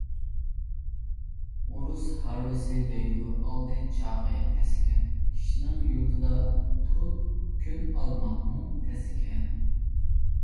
ئۇرۇس ھارۋىسى دەيدۇ ئالدى چاقى پەس ئىكەن. كىشنىڭ يۇرتىدا تۈرۈپ كۈن ئالماقمۇ تەس ئىكەن .